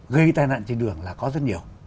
gây tai nạn trên đường là có rất nhiều